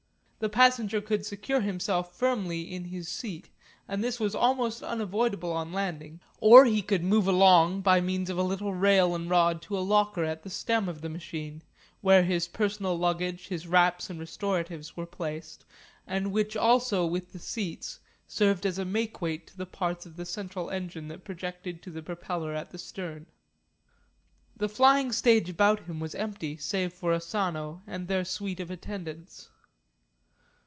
The passenger could secure himself firmly in his seat, and this was almost unavoidable on landing, or he could move along by means of a little rail and rod to a locker at the stem of the machine, where his personal luggage, his wraps and restoratives were placed, and which also with the seats, served as a makeweight to the parts of the central engine that projected to the propeller at the stern. The flying stage about him was empty save for Asano and their suite of attendants.